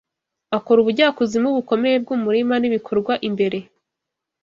akora ubujyakuzimu bukomeye bwumurima nibikorwa imbere